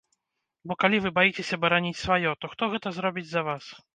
Бо калі вы баіцеся бараніць сваё, то хто гэта зробіць за вас?